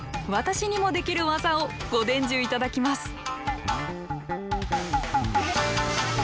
私にもできる技をご伝授頂きます